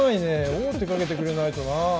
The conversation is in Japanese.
王手かけてくれないとな。